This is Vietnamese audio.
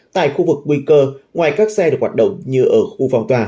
tại khu vực nguy cơ ngoài các xe được hoạt động như ở khu phong tỏa